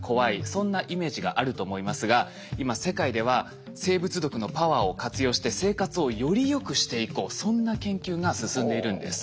そんなイメージがあると思いますが今世界では生物毒のパワーを活用して生活をよりよくしていこうそんな研究が進んでいるんです。